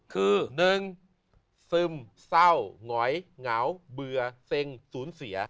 คือ๑ซึมเศร้าหงอยเหงาเบื่อเซ็งศูนย์เสีย